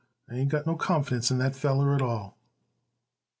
"I ain't got no confidence in that feller at all."